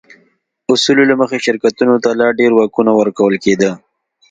اصولو له مخې شرکتونو ته لا ډېر واکونه ورکول کېده.